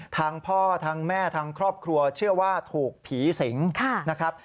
ทางพ่อทางแม่ทางครอบครัวเชื่อว่าถูกผีสิงนะครับ